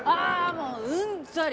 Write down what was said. もううんざり。